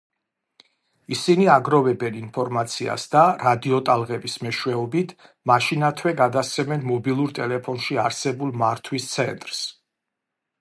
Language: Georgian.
ისინი აგროვებენ ინფორმაციას და რადიოტალღების მეშვეობით, მაშინათვე გადასცემენ მობილურ ტელეფონში არსებულ მართვის ცენტრს.